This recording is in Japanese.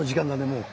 もう。